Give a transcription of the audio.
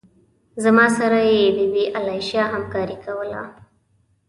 زما سره یې بې آلایشه همکاري کوله.